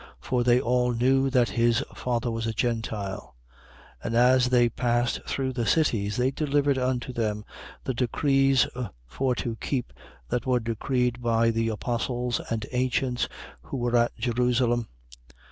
For they all knew that his father was a Gentile. 16:4. And as they passed through the cities, they delivered unto them the decrees for to keep, that were decreed by the apostles and ancients who were at Jerusalem.